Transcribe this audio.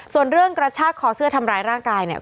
ส่วนเรื่องกระชากคอเสื้อทำร้ายร่างกายเนี่ย